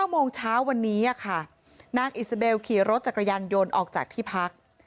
โมงเช้าวันนี้ค่ะนางอิสราเบลขี่รถจักรยานยนต์ออกจากที่พัก